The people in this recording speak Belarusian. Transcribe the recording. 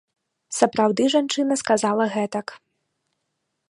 Сапраўды жанчына сказала гэтак.